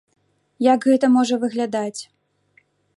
Як гэта можа выглядаць?